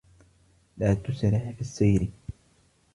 لَا تُسْرِعْ فِي السَّيْرِ.